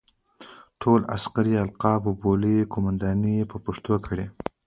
ټول عسکري القاب او بولۍ قوماندې یې په پښتو کړې.